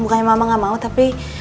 bukannya mama gak mau tapi